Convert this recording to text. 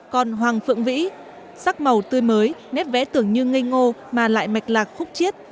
còn hoàng phượng vĩ sắc màu tươi mới nét vẽ tưởng như ngây ngô mà lại mạch lạc khúc chiết